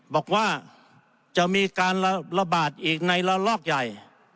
บอกว่าจะมีการระบาดอีกในระลอกใหญ่